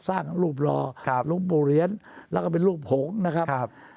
สร้างรูปรอหลวงปู่เหรียญแล้วก็เป็นรูปหงษ์นะครับ